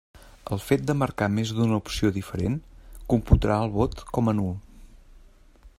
El fet de marcar més d'una opció diferent, computarà el vot com a nul.